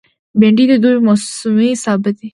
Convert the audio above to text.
بېنډۍ د دوبي موسمي سابه دی